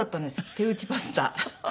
手打ちパスタ。